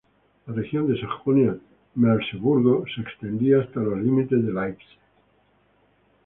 La región de Sajonia-Merseburgo se extendía hasta los límites de Leipzig.